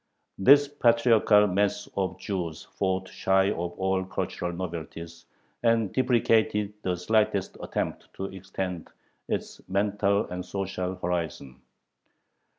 This patriarchal mass of Jews fought shy of all cultural "novelties," and deprecated the slightest attempt to extend its mental and social horizon.